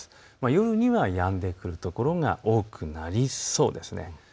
夜にはやんでくる所が多くなりそうです。